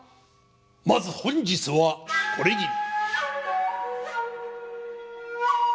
まず本日はこれぎり。